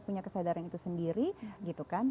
punya kesadaran itu sendiri gitu kan